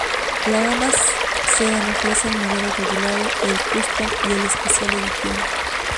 La gama sedan ofrece el modelo regulado, el Custom y el Special Edition.